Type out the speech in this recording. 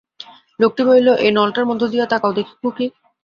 লোকটি বলিল, এই নলটার মধ্যে দিয়া তাকাও দেখি খুকি?